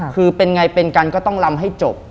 คือเป็นไงเป็นกันก็ต้องลำให้จบ